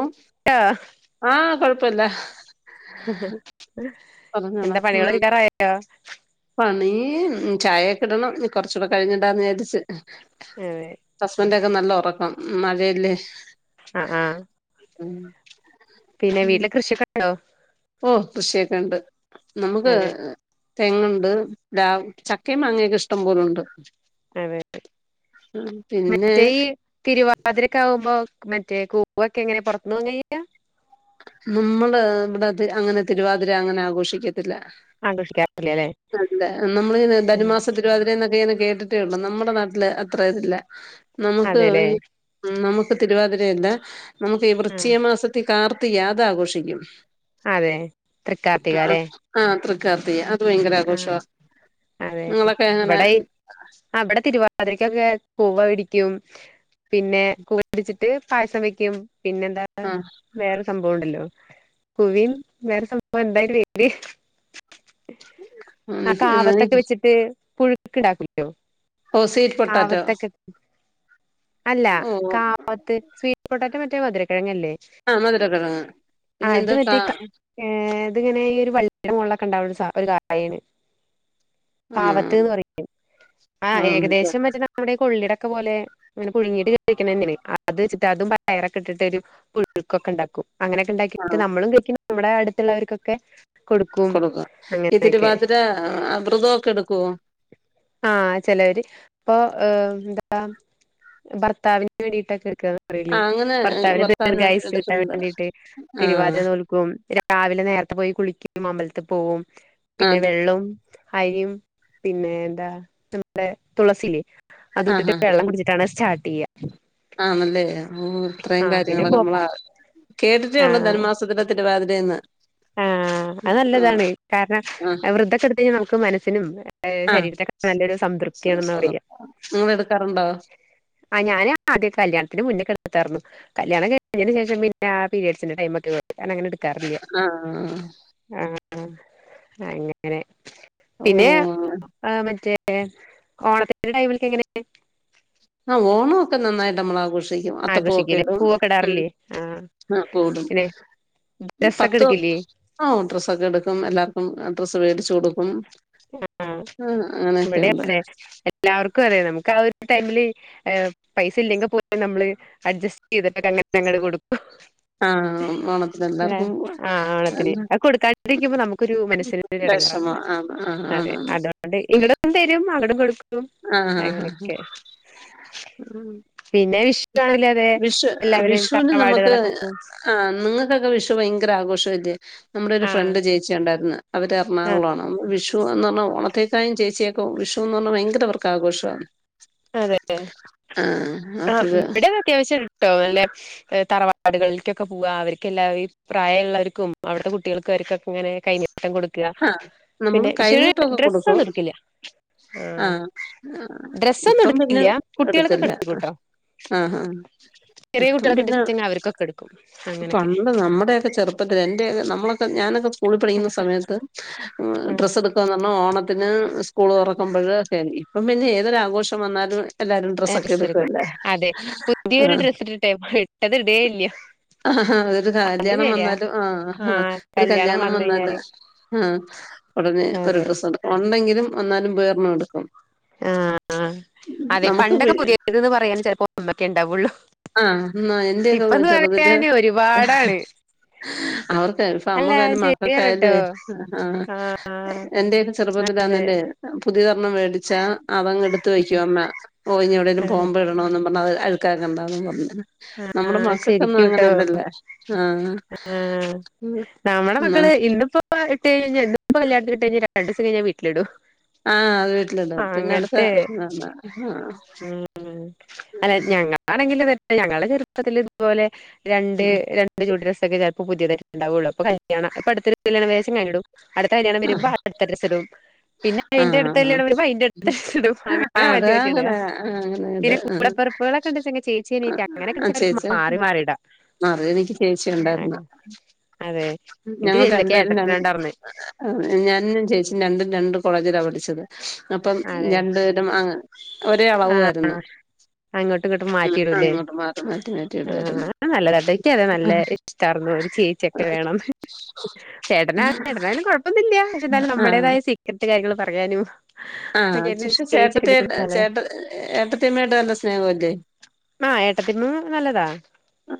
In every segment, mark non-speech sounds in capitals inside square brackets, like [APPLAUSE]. ഉം ആ കൊഴ്‌പ്പ പ്പല്ല ഹഹഹ എന്താ ഉം പണികളൊക്കെ കഴിയ യാറായോ പണി ചായക്കെ ഇടണം കൊർചൊക്കെ കഴിഞ്ഞിണ്ടാന്ന് വിയാരിച്ച്. അതെ ഹസ്ബൻഡ് ഒ നല്ല ഒറക്കം മഴയല്ലേ. ആ ആ ഉം പിനെ വീട്ടില് കൃഷിയൊക്കെ ണ്ടോ ഓ കൃഷിയൊക്കെണ്ട്. നമുക്ക് അതെ തെങ്ങുണ്ട് പ്ലാ ചക്കെ മാങ്ങെയൊക്കെ ഇഷ്ടം പോലുണ്ട്. അതെതെ പിന്നെ മറ്റേ ഈ തിരുവാതിരക്ക ആവുമ്പോ മറ്റേ കൂവൊക്കെ എങ്ങനെ പൊർത്ത്ന്ന് വാങ്ങയ്യ നമ്മള് ഇവിടെ ത്തി അങ്ങനെ തിരുവാതിര അങ്ങനെ ആഘോഷിക്ക ല്ല ആഘോഷിക്കാറില്ല ല്ലേ അല്ല നമ്മള് ധനുമാസ തിരുവാതിരന്നക്കെ കേട്ടിട്ടേയുള്ളൂ നമ്മുടെ നാട്ടില് അത്ര ഇതില്ല നമുക്ക് അതെല്ലേ ഈ നമു പ്പ തിരുവാതിര ഇല്ലാ നമുക്കെ ഈ ആഹ് വൃശ്ചിക മാസത്തിൽ കാർ ത്തി ആഘോഷിക്കും. അതെ തൃക്കാർത്തിക ല്ലേ ക്കാർത്തിഅ ആ അതെ നിങ്ങളൊക്കെ എങ്ങനെ വ്ടെ ഈ ഇവ്ട തിരുവാ വാതിരക്കൊക്കെ കൂവ ഇടിക്കും പിന്നെ കൂവ ഇടിച്ചിട്ട് പായസം വെക്കും പിന്നെന്താ ആഹ് വേറെ സം കൂവണ്ടല്ലോ കൂവിം വേറെ സംഭവം എന്തായിന്റെ പേര് [INAUDIBLE] അ എനിക്ക് കാവത്തൊക്കെ എനിക്ക് വെച്ചിട്ട് പുഴുക്ക്ടാക്കലോ ഓ സീറ്റ് പൊട്ടാറ്റോ. അല്ല ഓ കാവ്ത്ത് സ്വീറ്റ് പൊട്ടാറ്റൊ വേ റ്റെ മധുരകെഴങ്ങല്ലെ ആഹ് മധുരക്കെഴങ്‌ പിന്നെന്താ പാ അത്ങ്ങനെ ഈ ഒരു വള്ളിന്റ മോള്ലൊക്കെ ഇണ്ടാവുന്ന സാ ഒരു കാ അയിണ് ആണോ കാവത്ത്ന്ന് പറയുല്ലെ ആ ആഹ് ഏകദേശം മറ്റേ നമ്മുടെ ഈ കൊള്ളിയുടെ ക്ക പോലെ ഇങ്ങെനെ പുഴുങ്ങീട്ട് കിട്ടീക്കണന്നേണ് അത് വെച്ചിട്ടാ അതും പയറൊക്കെ ഇട്ടിട്ട് ഒരു പുഴുക്കൊക്കെണ്ടാക്കും അങ്ങനൊക്കെ ഇണ്ടാക്കിട്ട് ആഹ് നമ്മളും കഴിക്കണം ഇവിടെ അട്ത്തുള്ളവര്ക്കൊക്കെ കൊടുക്കും അങ്ങ തിരുവാതിര ആ വ്രതം ഒക്കെ എടു ക്കൊ ആഹ് ചെലവര് ഇപ്പൊ ഏ എന്താ ഭർത്താവിന് വേണ്ടിട്ടൊക്കെ എ ട്ക്കാ പറയൂല്ലെ ആഹ് അങ്ങനെ ഭർത്താവിന്റെ ഭർത്താവിന് വേണ്ടിട്ട് ദീർഘായുസ്സ് കിട്ടാൻ എടുക്കുന്നത് വേണ്ടീട്ട് ആഹ് തിരുവാതിര നോല്ക്കും രാവിലെ നേരത്തെ പോയി കുളിക്കും മമ്പൽത്ത് പോവും പിന്നെ ആഹ് വെള്ളും അരിം പിന്നെ എന്താ നമ്മടെ തുളസി ലെ അത് ഇട്ടിട്ട് വെള്ളം കുടിച്ചിട്ടാണ് സ്റ്റാർ ആന്നല്ലേ ഉം ഇത്രയും ആഹ് പിന്നെ കാര്യങ്ങളൊക്കെ കോപ്പ അമ്മള കേട്ടിട്ടേള്ളൂ ധനു മാസത്തിന്റെ തിരുവാതി രന്ന്. ആ അത് നല്ലതാണ് കാരണം വൃത ക്കെട്ത്തിനി നമുക്ക് മന സ്സിനും ഏ ആഹ് ശരീരത്തെ [UNINTELLIGIBLE] നല്ലൊരു സംതൃപ്തിയാണെന്ന ആഹ് പറയാ നിങ്ങള് എടുക്കാറുണ്ടോ ആ ഞാന് ആദ്യ കല്യാണത്തിന് മുന്നെക്കെട്ത്തായിര്ന്നു. കല്യാണം കഴിഞ്ഞെൻ്റെ ശേഷം പിന്നെ ആ പീരീഡ്‌സിന്റെ ടൈ മൊക്കെ വാ അഅ് കാരണം അങ്ങനെ ട്ക്കാറില്ല. ആ ആ അങ്ങനെ പിന്നെ ഓ ആ മറ്റേ [UNINTELLIGIBLE] ഓണത്തിന്റെ ടൈമിലെക്കെ ങ്ങനെ? ആ ഓണം ഒക്കെ നന്നായിട്ട് നമ്മൾ ആഘോഷി ക്കും അത്തപ്പൂൊക്കെ ആഘോഷിക്കല്ലേ ഇടും പൂവൊക്കെ ഇടാറില്ലേ ആഹ് ആ കൂടും പിന്നെ ഡ്രസ്സൊക്കെ പത്ത് എടുക്കില്ലേ ആ ഡ്രസ്സൊക്കെ എടുക്കും എല്ലാവർക്കും ഡ്രസ്സ് മേടിച്ചു കൊടുക്കും ആ ഇവിടെ അതെ എല്ലാവർക്കും അതെ നമുക്ക് ആ ഒരു ടൈമില് പൈസ ഇല്ലെങ്കിൽ പോലും നമ്മള് അഡ്ജസ്റ്റ് ചെയ്തിട്ടൊക്കെ അങ്ങനെ ഞങ്ങള് കൊടു ആ ഓണത്തിന് ല്ലേ എല്ലാർക്കും പോ ആഹ് ഓണത്തിന് അത് കൊടുക്കാണ്ടിരിക്കുമ്പോ നമുക്കൊരു മനസ്സിനൊരു എടങ്ങേറാ വിഷമ ആ അതെ ആണാണ് അതൊണ്ട് ഇവിടെ [UNINTELLIGIBLE] [UNINTELLIGIBLE] അങ്ങോട്ടും കൊടുക്കും ആ ആ ആ ആ. അങ്ങനെയൊക്കെ ഉം. പിന്നെ വിഷുആണിങ്കിൽ അതെ വിഷു എല്ലാവരും ത റവാാടുകളൊക്കെ പോവും പണ്ടൊക്കെ വിഷു ഭയങ്കര ആഘോഷ അല്ലെ നമ്മുടെ ഒരു ആഹ് ഫ്രണ്ട് ചേച്ചി ഉണ്ടായിരുന്നു അവര് ആഹ് എറണാകുളം ആണ് വിഷു വിഷു എന്ന് പറഞ്ഞൽ ണത്തേക്കായും ചേച്ചിയക്ക വിഷു എന്ന് പറഞ്ഞൽ ഭയങ്കര ആഘോഷം ആന് അതെ ആ അപ്പഴ് ഇവിടെ അത്യാവശ്യം ട്ടോ നല്ല തറവാടുകൾ ക്കെ പോവാ അവർക്ക് എല്ല ഈ പ്രായ ഉുള്ളവർക്കും അവിടുത്തെ കുട്ടികൾക്കും അവർ ഒക്കെ ഇങ്ങനെ കൈനീ ട്ടം കൊട്ക്കാ ആഹ് പിന്നെ നമ്മളും കൈനീട്ടൊക്കെ ഡ്രസ്സ് കൊടുക്കും ഒന്നും എടുക്കില്ല ആ ആഹ് ആഹ് ഡ്രസ്സ് ഇപ്പം പിന്നെ എടുക്കില്ല ആ ആ ആ ചെറിയ ഇപ്പം കുട്ടികളൊക്കെ പിന്നെ ഉണ്ടെച്ചെങ്കി അവർക്കൊക്കെ എടുക്കും അങ്ങനൊക്കെ പണ്ട് നമ്മുടെൊക്കെ ചെറുപ്പത്തിൽ എന്റെയൊക്കെ നമ്മളൊക്കെ ഞാൻ [UNINTELLIGIBLE] സ്കൂളി പഠിക്കുന്ന സമയത്ത് ഉം ഡ്രെസ്സ് എടുക്കാന്ന് പറഞ്ഞ ഓണത്തിന് സ്കൂള് തുറക്കുമ്പഴ് ഒക്കെ അല്ലിയോ ഇപ്പം പിന്നെ ഏതൊരാഘോഷം വന്നാലും എല്ലാരും ഡ്രസ്സൊക്കെ ഡ്രസ്സ് എടുക്കും എടുക്കുവല്ലേ അതെ പുതിയൊരു ഡ്രസ്സ് ഇട്ടിട്ടെ ഇട്ടത് ഇടേ ഇല്ല ആ ആ ഒരു അത് കല്യാണം ശരിയാ വന്നാലും ആ ആഹ് ഒരു കല്യാണം വന്ന് വന്നാല കഴിഞ്ഞാല് ആ ഒടനേ ക്കൊര് അതെ ഡ്രസ്സ് എടുക്കണം ഇണ്ടെങ്കിലും എന്നാലും വേറൊരെണ്ണം എടുക്കും. ആ അതെ നമുക്ക് പണ്ടൊക്കെ പി പുതിയതിന്ന് പറയാൻ ചെലപ്പോ ഒന്നക്കെ ഇണ്ടാവുള്ളു. ആഹ് ന്നാ എന്റെയൊക്കെ ഇപ്പന്ന് ചെറുതില് പറയാന് ഒരുപാടാണ് അല്ലാ അത് ശരിയാണിട്ടൊ. ആഹാ എന്റെയൊക്കെ അതെ ചെറുപ്പത്തിലാന്നാലെ പുതിയ തൊന്ന് മേടിച്ചാ അതങ്ങ് എടുത്ത് വെക്കും അമ്മ. ഓ എവിടേലും ആ പോവുമ്പ ഇടണോന്നും പറഞ്ഞ് അത് അഴുക്കാക്കണ്ടാന്നും പറഞ്ഞ്. ആ നമ്മുടെ മക്കക്കൊന്നും ശരിക്കൂട്ടോ അങ്ങനല്ലല്ല ആ ആ നമ്മടെ ഉം മക്കള് ഇന്നിപ്പോ ഇട്ട് കഴിഞ്ഞ ഇന്നിപ്പ കല്യാണത്തിനിട്ട് കഴിഞ്ഞ രണ്ടൂ സം കഴിഞ്ഞാ വീട്ടിലിടും ആ വീട്ടിലിടും പിന്നടുത്ത അങ്ങനത്തെ [UNINTELLIGIBLE] ആ ഇം ഞങ്ങള് ചെറ്പ്പത്തില് ഇത്പോലെ രണ്ട് രണ്ടു ജോഡി ഡ്രസ്സ് ഇതൊക്കെക്കാരം പ്പോ പുത്യതായിട്ട് ണ്ടാവൊള്ളൂ പ്പൊ കല്യാണം ഇപ്പ അടുത്തൊരു കല്യാണം മാസി [UNINTELLIGIBLE] ടും അട്ത്ത കല്യാണം വര്മ്പോ അടുത്ത ഡ്രസ്സ്ടും പിന്നെ ആഹ് അയ്ന്റെ അട്ത്ത കല്യാണം ആഹ് വര്മ്പോ അയ്ന്റെ അട്ത്ത ഡ്രസ്സ്ടും അങ്ങനെ ആഹ് അത് മാറ്റി മാറ്റി ഇടാ അങ്ങനെ പിന്നെ കൂടെപ്പെറപ്പ്കളൊക്കെണ്ട്ച്ചെങ്ങി ചെയ് ആ ആ ചേച്ചി മാറി എനിക്ക് ചേച്ചിഒണ്ടായ്ര്ന്ന് അതേ ഞങ്ങൾക്ക് രണ്ട്പേരും രണ്ട് അ ഞാനും ചേച്ചി രണ്ടും രണ്ട് കോളേജിലാ പഠിച്ചത് അപ്പം അതെ രണ്ട്പേരും അങ്ങ് ഒരേ അളവു ആയിര്ന്ന് ട്ടും ഇങ്ങോട്ടും മാറ്റി ഇടുലെ ആ ഇടുവായിരുന്നു അത് നല്ലതാട്ടോ ൻക്ക് അത് നല്ല ഇഷ്ടാർന്നു ഒര് ചേച്ചിയൊക്കെ വേണംന്ന് ചേട്ടനാ ചേട്ടനായാലും കൊഴപ്പൊന്നുല്ല്യ പക്ഷേ ന്തായാലും നമ്മടെതായ സീക്രട്ട് കാര്യങ്ങള് പറ പ്പഴാനു ആ പക്ഷേ ചേട്ടത്തിയായ്ട്ട് എ നല്ലതാ ചേട്ട എ ഏട്ടത്തിയമ്മയായ്ട്ട് നല്ല സ്നേഹവല്ലേ ആഹ് ഏട്ടത്തിയമ്മ ആ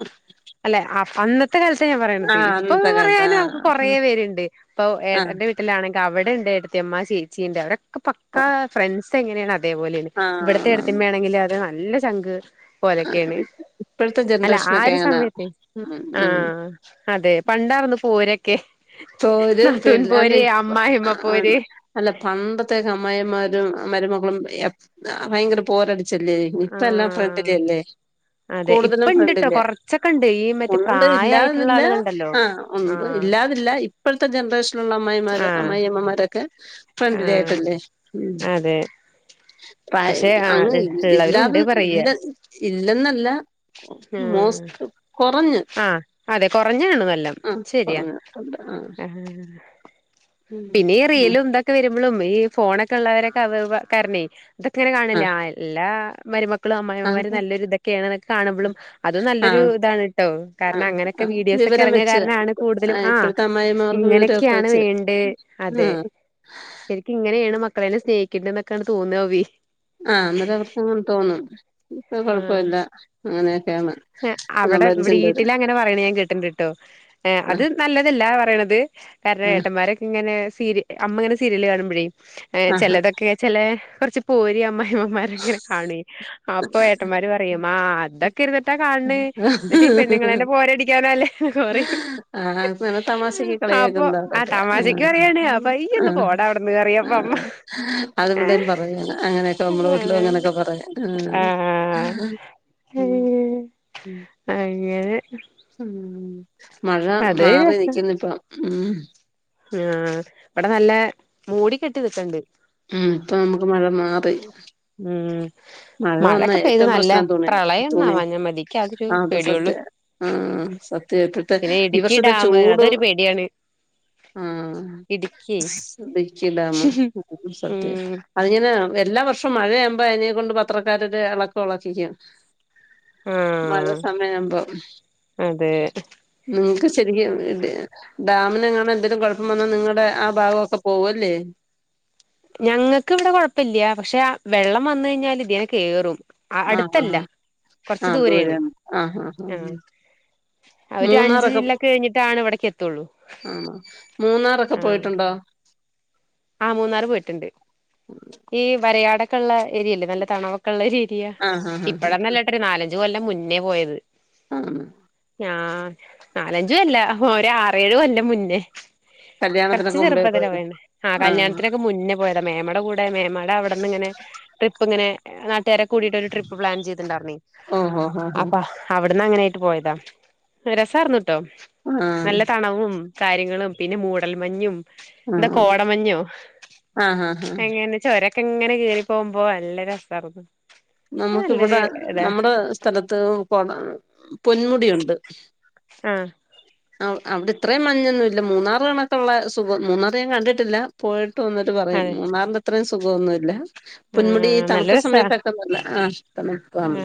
അന്ന് ത്തെ കാലത്ത് ഞാൻ പറയ്ണതേ ഇപ്പോ കാലത്ത് പറയാന് നമുക്ക് കൊറേ ആഹ് പേര്ണ്ട് പ്പൊ ഏട്ടന്റെ വീട്ടിലാണെങ്കി അവടെണ്ട് ഏട്ടത്തിയമ്മ ചേ ച്ചീണ്ട് അവ്ടെ ക്കെ പക്കാ ആഹ് ഫ്രണ്ട്സ് ഇപ്പൊ എങ്ങനെയാണ് അത് അതേപോലെയാണ്. ഇവിടുത്തെ ആഹ് ഏട്ടത്തിയമ്മയാണെങ്കില് അത് നല്ല സ് ചങ്ക് ഓലക്കേണ് ഇപ്പോഴത്തെ അല്ല ആ ജനറേഷനൊക്കെ ഒരു അങ്ങനാ സമയത്ത് ഉം ആ... ഉം അതെ പണ്ടായിർന്നു ഫോരൊക് ക്കെ പോരും പിട് അല്ല ഇപ അമ്മായിമ്മ ആ പോര് ണെ അല്ല പണ്ടത്തെകെ അം മ്മായിയമ്മാരും മരുമകും എപ് അ ഭയങ്കരപോരട് ചെല്ലേഹൂയ് ഇപ്പൊ എല്ലാം ഫ്രണ്ട്ന്റെ ആഹ് അല്ലേ അതെ ഇപ്പ കൂടുതലും ഇണ്ട്ട്ടോ ഫ്രണ്ട്ല്ലേ കൊറച്ചൊക്കെ ഇണ്ട് ഈ മറ്റേ ഉണ്ട് പ്രായായിട്ടുള്ള ഇല്ലാതില്ല ആളുകളുണ്ടല്ലോ ആ ഉമ്പ് ആഹ് ഇല്ലാതില്ല ഇപ് ൻത്തെ ജൻറേഷൻ ട്ടുള്ള അമ്മായിമ്മാര് ആഹ് അമ്മായി അമ്മമാരരൊക്കെ ഫ്രണ്ട്ലി ആഹ് ആയിട്ടല്ലേ ഉം അതെ പ്രായം പക്ഷെ അങ്ങ് ആഹ് ഇൽ ഇള്ളവരുണ്ട് ഇല്ലാതില്ല ഇല്ലെന്നല്ല ആ മോസ്റ്റ് കൊറഞ്ഞ് ആ അതെ കൊറഞ്ഞുകാണ്തെല്ലാം ആഹ് കൊറഞ്ഞിട്ടുണ്ട് ആഹ് പിന്നെ ഈ റീലും തൊക്കെ വെരു ഇബ്ലും ഈ ഫോണൊക്കെ ള്ളവരൊക്കെ ആവ് വ കാര്ണെ തൊക്കെങ്ങനെ കാണല്ലേ. ആഹ് ആ എല്ലാ മരുമക്കള് അമ്മായിമ്മമാരും ആഹ് നല്ലൊരു തൊക്കെയാണ് ന്നൊക് വളും അത് നല്ലൊരു ആഹ് താണ് ട്ടോ. കാര്ണം ആഹ് അങ്ങനൊക്കെ ആഹ് വീഡിയോസൊക്കെ വിവരം ർങ്ങിയ വെച്ച് കാരണം ആണ് കൂടുതലും ആഹ് ആ ഇപ്പോഴത്തെ അമ്മായിമ്മമാർക്ക് വിവരമൊക്കെ ഇങ്ങനെയൊക്കെയാണ് വെച്ച് വേണ്ടേ അതെ. ആഹ് ശരിക്കും ഇങ്ങനെയാണ് മക്കളെ എല്ലെ സ്നേഹിക്കെണ്ടെന്നൊക്കാണ് തോന്നാവെ ആ അന്നര അവർകിങ്ങന്ന തോന്നും ഇപ്പൊ ആ കൊഴപ്പമില്ല അങ്ങനെയൊക്കെയാണ് ഏ അവിടെ എന്നുള്ളൊരു ഇവിടെ ചിന്ത വീട്ടിൽ വരും അങ്ങനെ പറയണ ഞാൻ കേട്ടിണ്ടിട്ടോ ഏ അത് ആഹ് നല്ലതല്ല വരണത് കാരണം ആഹ് ഏട്ടന്മാരൊക്കെ ഇങ്ങനെ സീരി അമ്മങ്ങനെ സീരിയല് കാണുമ്പോഴേ ഏ ആഹ് ചിലതൊക്കെ ചില കുറച്ച് പോരി അമ്മായിയമ്മമാരങ്ങനെ കാണുവേ അ പ്പൊ ഏട്ടന്മാര് പറയും ആ അതക്ക് ക്കിരുപത് പോരടിക്കാനല്ലേ പറയും ആ അങ്ങനെ തമാശക്ക് അപ്പൊ കളിയാക്കുന്നതാ ആ അതൊക്കെ തമാശക്ക് പറയാണ് അപ്പൊ ഇയ്യ് ഒന്ന് പോടാ അവിടുന്ന് പറയും അപ്പൊ അതിവിടേം പറയും അങ്ങനെ അങ്ങനെയൊക്കെ നമ്മള വീട്ടിലും അമ്മ അങ്ങനൊക്കെ പറയും ആഹ് [UNINTELLIGIBLE] അയ്യേ ഉം മഴ മാറി നൽക്കുന്നു ഇപ്പം ഉം ആ ഇവിടെ നല്ല മൂടി കെട്ടി നിൽക്കണണ്ട് ഉം ഇപ്പോ നമ്മക് മഴ മാറി. ഉം മഴ വന്നാൽ മഴൊക്കെ പെയ്ത് ഏറ്റവും നല്ല പ്രശ്നം തുണി പ്രളയംന്നാ തുണി പറഞ്ഞാ മതി ഇക്ക് അതൊരു അത് പേടിയൊള്ളു സത്യാ സത്യം ഇപ്പോഴത്തെ പിന്നെ ഈ ഇടുക്കി വർഷത്തെ ഡാം ചൂട് അതൊരു പേടിയാണ് ഉം ഇടുക്കി ഇടുക്കി ഡാമു അത് ഉം സത്യാ അതിങ്ങനെ എല്ലാം ഈ വർഷം മഴയാകുമ്പോ അതിനെ കൊണ്ട് പത്ത് അവക്കടതു ഇളക്കമുള്ള ചിരിയാ മഴ ആഹ് സമയാവുമ്പോൾ അതെ ഉം കഷ് ശരിക്കും ഡാമിനെങ്ങാനും എന്തേലും കുഴപ്പം വന്നാൽ നിങ്ങടെ ആ ഭാഗമൊക്കെ പോകുമല്ലേ ഞങ്ങൾക്ക് ഇവിടെ കുഴപ്പമില്യ പക്ഷെവെള്ളം വന്നു കഴിഞ്ഞാൽ വേഗം കേറും ആ ആ അടുത്തല്ല ആ ആ ദൂരെയാണ് ആ ആഹ് ഒരു അഞ്ച് മൂന്നാറൊക്കെ ജില്ല കഴിഞ്ഞിട്ടാണ് ഇവിടക്ക് എത്തുള്ളൂ ആ മൂന്നാറൊക്കെ ആഹ് പോയിട്ടുണ്ടോ ആ മൂന്നാർ പോയിട്ടുണ്ട് ഈ വരയാടക്ക് കൊള്ളാം എരി അല്ല നല്ല തണുപ്പ് ഉള്ള രീതിയാ ആഹ് ആഹ് ആഹ് ഇപ്പോഴെന്നല്ലാട്ടോ ഒരു നാലഞ്ച് ത്തു കൊല്ലം മുന്നേ പോയത് ആ ആ ആ നാല് നാലഞ്ചുമല്ല ഒരാറ് ഏഴ് കൊല്ലം മുന്നേ കല്യാണത്തിനൊക്കെ മുമ്പേ പോയത് ആഹ ആഹ് കല്യാണത്തിനൊക്കെ മുന്നേ പോയതാ മേമയുടെ കൂടെ മേമട അവിടെ നിന്ന് ഇങ്ങനെ ട്രിപ്പ് ഇപ്പൊ അങ്ങനെ നാട്ടുകാരെ കൂടിയിട്ട്ൊ ഒരു ട്രിപ്പ് പ്ലാ ചെയ്തിട്ടണ്ടായിരന്നീ ഓഹോ ഹോ ഹോ അപ്പ അവിടന്ന്ങ്ങനെ പോയത രസ ട്ടോ ആഹ് നല്ല തണവും കാര്യങ്ങളും പിന്നെ മൂടൽമഞ്ഞും ആഹ് കോടമഞ്ഞോ ആഹ് ആഹ് ആഹ് എങ്ങന ചോര ഇത്‌ ഇങ്ങനെ കീറി പോമ്പോ നല്ല രസരുന്നു നമുക്കിവിടെ നമ്മുടെ സ്ഥലത്ത് പാടാണ് പൊന്മുടി ഒണ്ട് ആ അവി അവിടെ ഇത്രയും മഞ്ഞൊന്നു ഇല്ല മൂന്നാറ് കണൊക്കുള്ള സുഖം മൂന്നാറ് ഞൻ കണ്ടിട്ടില്ല പോയി യിട്ട് വന്നിട്ട് പറയും അതെ മൂന്നാറിന്റെത്രയും സുഖോന്നു ഇല്ല പൊന്മുടി തണുപ്പ് സമയത്തൊക്കെ ആഹ് ആ തണുപ്പാണ്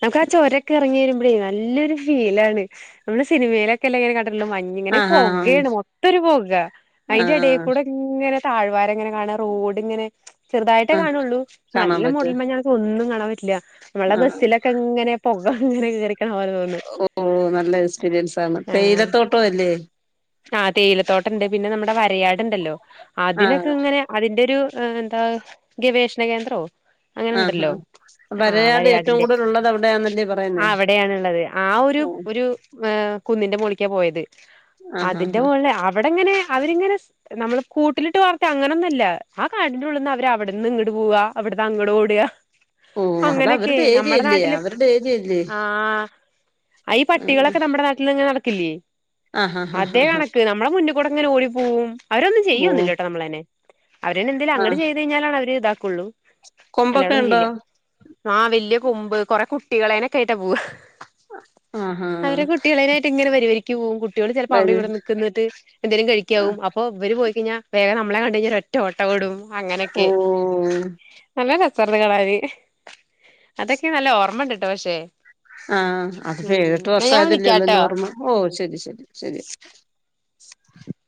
നമുക്ക് ആ ചോരൊക്കെ എറങ്ങിവരുമ്പം നല്ലൊരു ഫീലണ് നമ്മള് സിനിമയിലൊക്കെ ഇങ്ങനെ കൺ മ ഇങ്ങനെ ആഹ് ആഹ് പുകാണ് മൊത്ത ഒരു പ അതിന്റെടൽ ആഹ് കൂടെ ഇങ്ങനെ [UNINTELLIGIBLE] മഞ്ഞ്ങ്ങനെ പോകേണ് മൊത്തൊരു പോകാ അയിന്റെ എടേക്കൂടെങ്ങനെ താഴ് വാരങ്ങനെ കാണാ റോഡ്ങ്ങനെ ചെറതായിട്ടേ ആഹ് കാണുള്ളൂ പക്ഷേ കാണാൻ നല്ല പറ്റും മൂടൽ മഞ്ഞാണ് ഒന്നും കാണാൻ റ്റ്ല്ലാ നമ്മളെ ബസ്സിലൊക്കെ ഇങ്ങനെ പൊക് പ്പ അങ്ങനെ കേറി ഓ നല്ല എക്സ്പീരിയൻസ് താണ് ആഹ് തേയിലത്തോട്ടോല്ലേ ആ തേയിലത്തോട്ടണ്ട് പിന്നെ നമ്മുടെ വരയാട്ണ്ടല്ലോ അതിനൊക്കെ ആഹ് ഇങ്ങനെ അതിന്റെ ഒരു ആ എന്താ ഗവേഷണകേന്ദ്രോ? ആഹ് ആഹ് അങ്ങനെണ്ടല്ലോ ആ വരയാട് ഏറ്റവും വരയാടിന്റെ കൂടുതൽ ഉള്ളത് അവിടെയാന്നല്ലേ ആ പറയുന്നേ അവിടെയാണ്ള്ളത് ആ ഒരു ഓഹ് ഒരു ഏ കുന്നിന്റെ മോളിക്കാ പോയത് ആഹ് ആഹ് അതിന്റെ മുകളില് അവിടെങ്ങനെ അവരിങ്ങനെ നമ്മള് കൂട്ടിലിട്ട് വാളർത്തി അങ്ങനൊന്നുഅല്ല ആ കാടിന്റെ ഉള്ളിന്ന് അവര് അവിടന്ന് ഇങ്ങട് പോവാ അവിടുന്ന് അങ്ങട് ഓടാ ഓ അത് അങ്ങനെയൊക്കെയേ അവരുടെ നമ്മുടെ ഏരിയല്ലേ നാട്ടില് അവരുടെ ഏരിയല്ലേ ആ അയ് പട്ടികളൊക്കെ നമ്മുടെ നാട്ടില്ങ്ങനെ നട ക്കെല്ലിയെ ആഹ് ആഹ് ആഹ് അതേ ആഹ് കണക്ക് നമ്മുടെ മുന്ന് കൂടെ അങ്ങനെ ഓടി പോവും അവരൊന്നും ഓ ചെയ്യൊന്നില്ല ട്ടോ നമ്മളേനെ, അവരന്നെ എന്തേലും അങ്ങട്ട് ആഹ് ചെയ്ത് കഴിഞ്ഞാലാണ് അവര് ഇതാ ക്കൊള്ളു. കൊമ്പൊക്കെ അല്ലാണ്ടൊന്നും ഉണ്ടോ ചെയ്യില്യ ആ വല്യ കൊമ്പ് കൊറെ കു കുട്ടികളേനെക്കേട്ടാ പോവുക ആഹ് ആഹ് അവരെ കുട്ടികളെരായിട്ട് ഇങ്ങനെ വരി വരി ക്യുവും കുട്ടികൾ പ്പോ അവിടെയും വരൂ ഇവിടേം നിക്ക് ന്നട്ട് എന്തേലും ആ, കഴിക്കാവും അപ്പൊ ഇവര് പോയി ക്കയിഞ്ഞാ വേഗം നമ്മളെ കണ്ട് കഴിഞ്ഞ ഒറ്റ ഓട്ടം ഓടും ഓ അങ്ങനൊക്കെ നല്ല രസാ വെറുതെ കളറേയ് അതൊക്കെ നല്ല ഓർമണ്ട് ട്ടോ പക്ഷെ ആഹ് അത്പ്പൊ ഉം ഏഴെട്ട് എന്നാ ഞാൻ വർഷായതല്ലേ ഉളളൂ വിളിക്കാട്ടോ നോർമൽ ഓ ശരി ശരി ശരി [UNINTELLIGIBLE]